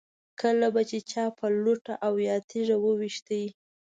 کله به چې چا په لوټه او یا تیږه و ویشت.